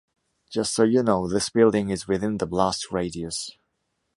Just so you know this building is within the blast radius.